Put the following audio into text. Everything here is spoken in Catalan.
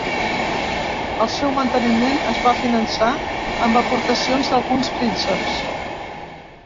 El seu manteniment es va finançar amb aportacions d'alguns prínceps.